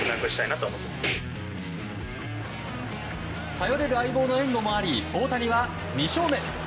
頼れる相棒の援護もあり大谷は２勝目。